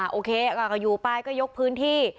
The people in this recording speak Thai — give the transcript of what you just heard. โอเคก็อยู่ไปก็ยกพื้นที่